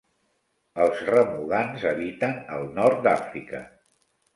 Els remugants habiten al nord d'Àfrica.